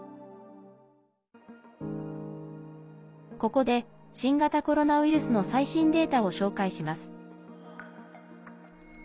ここで新型コロナウイルスの最新データを紹介します。